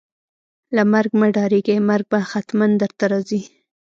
له مرګ مه ډاریږئ ، مرګ به ختمن درته راځي